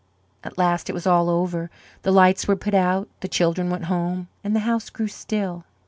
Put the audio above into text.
At last it was all over. The lights were put out, the children went home, and the house grew still.